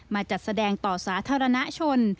จัดแสดงต่อสาธารณชน